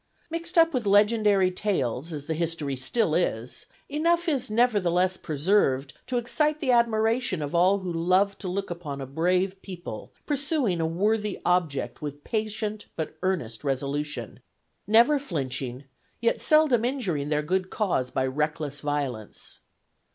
Mixed up with legendary tales as the history still is, enough is nevertheless preserved to excite the admiration of all who love to look upon a brave people pursuing a worthy object with patient but earnest resolution, never flinching, yet seldom injuring their good cause by reckless violence.